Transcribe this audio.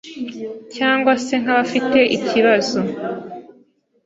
cyangwa se nk’abafite ikibazo.